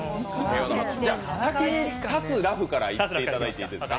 「立つ裸婦」からいっていただいていいですか。